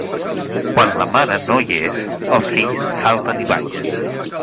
Quan la mare no hi és, els fills salten i ballen.